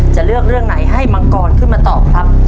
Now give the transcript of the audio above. จะเลือกเรื่องไหนให้มังกรขึ้นมาตอบครับ